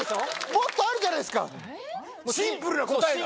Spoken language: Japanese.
もっとあるじゃないですかシンプルな答えが。